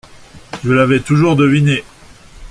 Je l'avais toujours deviné.